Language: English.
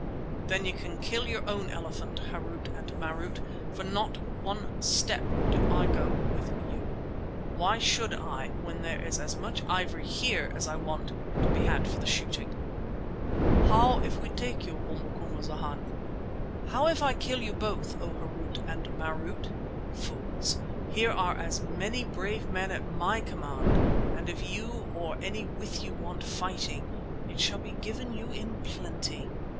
"Then you can kill your own elephant, Harût and Marût, for not one step do I go with you. Why should I when there is as much ivory here as I want, to be had for the shooting?" "How if we take you, O Macumazana?" "How if I kill you both, O Harût and Marût? Fools, here are many brave men at my command, and if you or any with you want fighting it shall be given you in plenty.